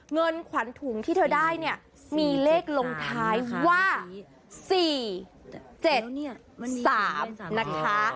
เงินขวัญถุงที่เธอได้เนี่ยมีเลขลงท้ายว่า๔๗๓นะคะ